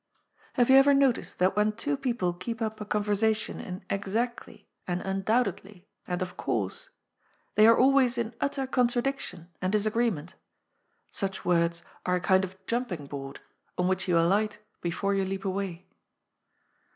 Have you ever noticed that when two people keep up a conversation in "exactly" and "undoubtedly" and "of course," they are always in utter contradiction and disagree ment ? Such words are a kind of jumping board, on which you alight before you leap away.